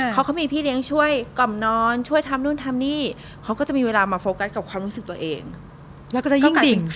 เขาก็มีพี่เลี้ยงช่วยกล่อมนอนช่วยทำนู่นทำนี่เขาก็จะมีเวลามาโฟกัสกับความรู้สึกตัวเองแล้วก็จะยิ่งดิ่ง